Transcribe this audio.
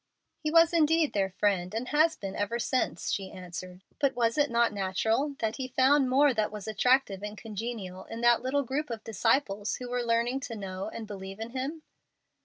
"He was indeed their friend, and has been ever since," she answered. "But was it not natural that He found more that was attractive and congenial in that little group of disciples who were learning to know and believe in Him?"